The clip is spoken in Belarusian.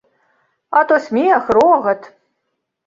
А то смех, рогат.